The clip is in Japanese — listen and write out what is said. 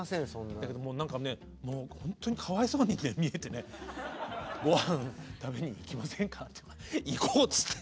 だけどもう何かねほんとにかわいそうに見えてね「ごはん食べに行きませんか？」って言うから行こうって。